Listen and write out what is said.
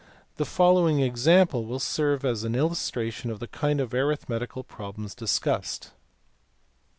The following example will serve as an illustration of the kind of arithmetical problems discussed.